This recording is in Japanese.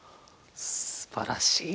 すばらしい。